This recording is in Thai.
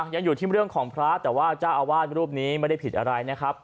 ยังอยู่ที่เรื่องของพระแต่ว่าเจ้าอาวาสรูปนี้ไม่ได้ผิดอะไรนะครับ